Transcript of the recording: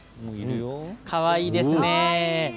かわいいですね。